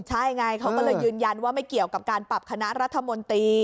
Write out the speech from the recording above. ใช่ไงเขาก็เลยยืนยันว่าไม่เกี่ยวกับการปรับคณะรัฐมนตรี